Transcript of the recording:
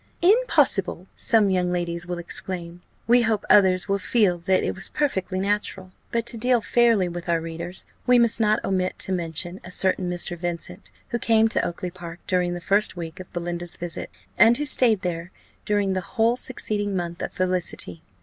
"Impossible!" some young ladies will exclaim. We hope others will feel that it was perfectly natural. But to deal fairly with our readers, we must not omit to mention a certain Mr. Vincent, who came to Oakly park during the first week of Belinda's visit, and who stayed there during the whole succeeding month of felicity.